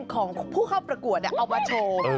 ของผู้เข้าประกวดเอามาโชว์